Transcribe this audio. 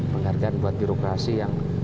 penghargaan buat birokrasi yang